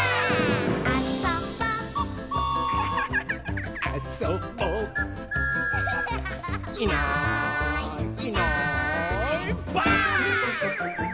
「あそぼ」「あそぼ」「いないいないばあっ！」